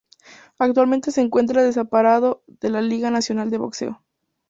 Actualmente se encuentra desamparado de la liga Nacional de Boxeo.